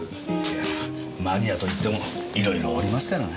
いやマニアといってもいろいろおりますからな。